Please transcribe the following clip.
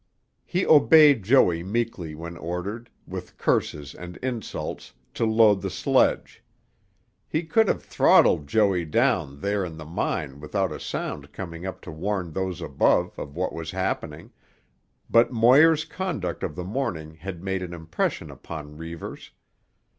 He obeyed Joey meekly when ordered, with curses and insults, to load the sledge. He could have throttled Joey down there in the mine without a sound coming up to warn those above of what was happening, but Moir's conduct of the morning had made an impression upon Reivers.